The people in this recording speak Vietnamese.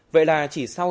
vậy là chỉ sau